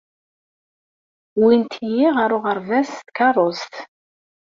Wwint-iyi ɣer uɣerbaz s tkeṛṛust.